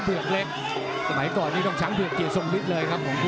ทางเพือกเล็ก